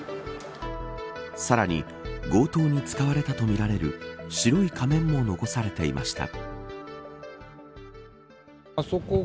さらに強盗に使われたとみられる白い仮面も残されていました。